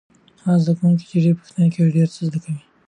هغه زده کوونکی چې ډېرې پوښتنې کوي ډېر څه زده کوي.